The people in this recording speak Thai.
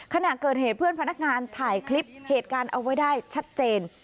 ขณะเกิดเหตุเพื่อนพนักงานถ่ายคลิปเหตุการณ์เอาไว้ได้ชัดเจน